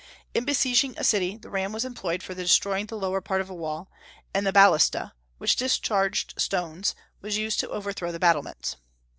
In besieging a city, the ram was employed for destroying the lower part of a wall, and the balista, which discharged stones, was used to overthrow the battlements.